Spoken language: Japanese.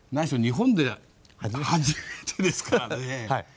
日本で初めてですからね